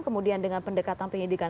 kemudian dengan pendekatan penyelidikan